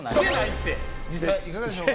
実際いかがでしょうか。